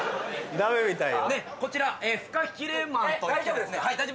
ダメみたいよ。